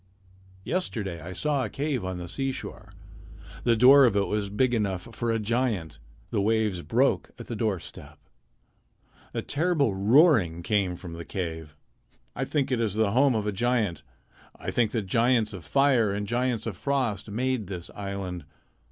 Yesterday I saw a cave on the seashore. The door of it was big enough for a giant. The waves broke at the doorstep. A terrible roaring came from the cave. I think it is the home of a giant. I think that giants of fire and giants of frost made this island.